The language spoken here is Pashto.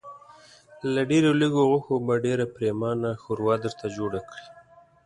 له ډېرو لږو غوښو به ډېره پرېمانه ښوروا درته جوړه کړي.